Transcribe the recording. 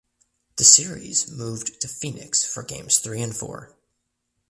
The series moved to Phoenix for games three and four.